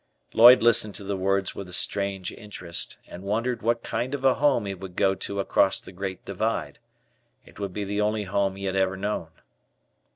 Lloyd listened to the words with a strange interest, and wondered what kind of a home he would go to across the Great Divide. It would be the only home he had ever known.